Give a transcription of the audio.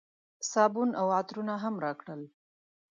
صابون او عطرونه هم راکړل.